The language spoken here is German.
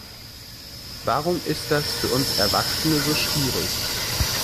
Warum ist das für uns Erwachsene so schwierig?